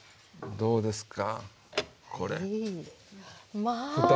そうですか。